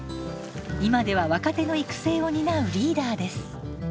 今では若手の育成を担うリーダーです。